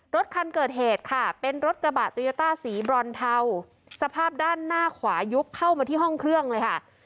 รถคันเกิดเหตุค่ะเป็นรถกระบะโตโยต้าสีบรอนเทาสภาพด้านหน้าขวายุบเข้ามาที่ห้องเครื่องเลยค่ะ